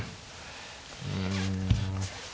うん。